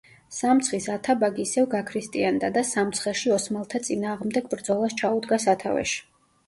სამცხის ათაბაგი ისევ გაქრისტიანდა და სამცხეში ოსმალთა წინააღმდეგ ბრძოლას ჩაუდგა სათავეში.